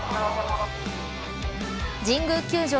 神宮球場